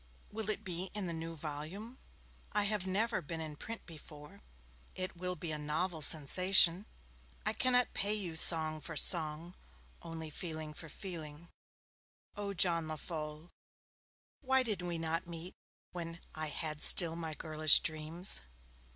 Will it be in the new volume? I have never been in print before; it will be a novel sensation. I cannot pay you song for song, only feeling for feeling. Oh, John Lefolle, why did we not meet when I had still my girlish dreams?